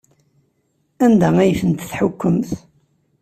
Anda ay tent-tḥukkemt?